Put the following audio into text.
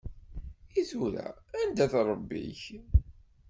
I tura anda-t Ṛebbi-k?